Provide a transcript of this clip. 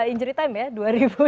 injury time ya dua ribu sembilan belas